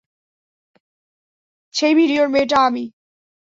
সেই ভিডিওর মেয়েটা আমিই।